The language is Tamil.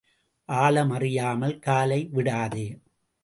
ஆழம் அறியாமல் காலை விடாதே.